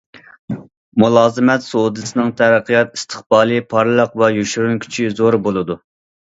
مۇلازىمەت سودىسىنىڭ تەرەققىيات ئىستىقبالى پارلاق ۋە يوشۇرۇن كۈچى زور بولىدۇ.